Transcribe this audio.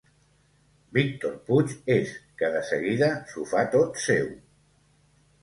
Víctor Puig és que de seguida s'ho fa tot seu.